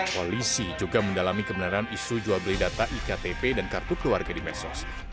polisi juga mendalami kebenaran isu jual beli data iktp dan kartu keluarga di mesos